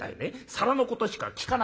皿のことしか聞かなかった。